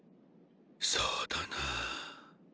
そうだな。